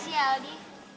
terima kasih aldi